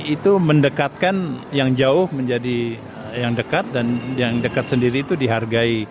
itu mendekatkan yang jauh menjadi yang dekat dan yang dekat sendiri itu dihargai